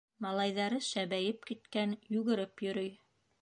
Малайҙары шәбәйеп киткән, йүгереп йөрөй...